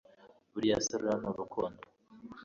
buriya se ruriya ni urukundo